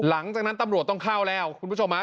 หลังจากนั้นตำรวจต้องเข้าแล้วคุณผู้ชมฮะ